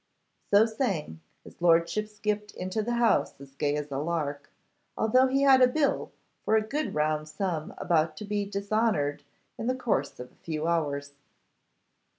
So saying, his lordship skipped into the house as gay as a lark, although he had a bill for a good round sum about to be dishonoured in the course of a few hours.